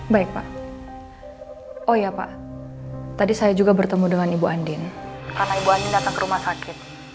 baik pak oh ya pak tadi saya juga bertemu dengan ibu andin karena ibu andin datang ke rumah sakit